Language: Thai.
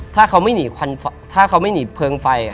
ถ้าเขาไม่หนีเพลิงไฟ